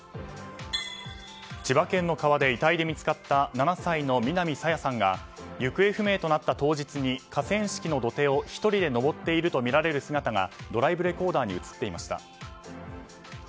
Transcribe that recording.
千葉県の川で遺体で見つかった７歳の南朝芽さんが行方不明となった当日に河川敷の土手を１人で上っているとみられる姿がドライブレコーダーに映っていました。